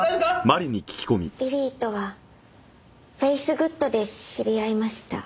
ビリーとはフェイスグッドで知り合いました。